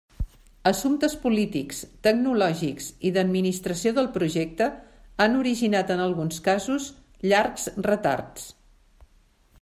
Assumptes polítics, tecnològics i d'administració del projecte han originat en alguns casos, llargs retards.